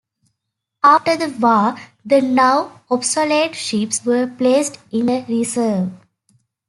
After the war, the now obsolete ships were placed in the reserve.